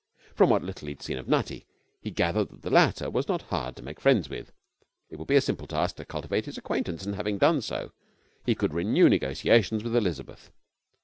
From what little he had seen of Nutty he gathered that the latter was not hard to make friends with. It would be a simple task to cultivate his acquaintance. And having done so, he could renew negotiations with Elizabeth.